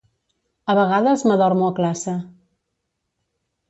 A vegades m'adormo a classe.